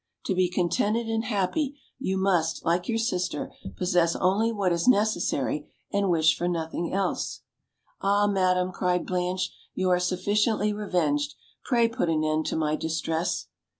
To be contented and happy, you must, like your sister, possess only what is necessary, and wish for nothing else." "Ah, madam!" cried Blanche, "you are sufficiently revenged; pray put an end to my distress."